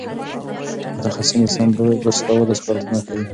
متخصصین د سم برس کولو سپارښتنه کوي.